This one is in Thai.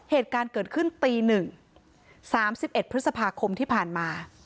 เหตุการณ์เกิดขึ้นตีหนึ่งสามสิบเอ็ดพฤษภาคมที่ผ่านมา